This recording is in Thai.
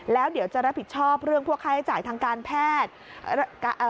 แล้วเดี๋ยวจะรับผิดชอบเรื่องพวกค่าใช้จ่ายทางการแพทย์